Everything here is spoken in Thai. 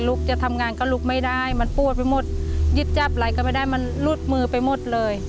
จะทำงานก็ลุกไม่ได้มันปวดไปหมดยึดจับอะไรก็ไม่ได้มันหลุดมือไปหมดเลย